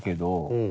うん。